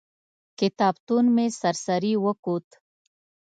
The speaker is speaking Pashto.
کتابتون مې سر سري وکت.